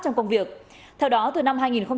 trong công việc theo đó từ năm hai nghìn một mươi